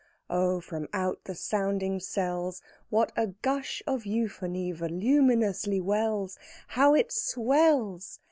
Oh, from out the sounding cells, What a gush of euphony voluminously wells! How it swells!